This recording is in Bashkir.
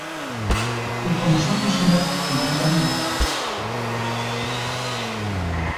Уҡымышлы кешенең һүҙе тәмле.